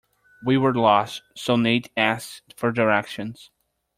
We were lost, so Nate asked for directions.